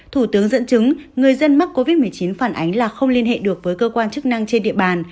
thủ tướng dẫn chứng người dân mắc covid một mươi chín phản ánh là không liên hệ được với cơ quan chức năng trên địa bàn